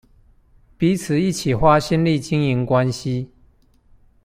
彼此一起花心力經營關係